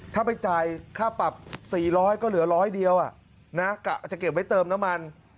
ถ้าไปจ่ายค่าปรับ๔๐๐ก็เหลือร้อยเดียวกะจะเก็บไว้เติมน้ำมัน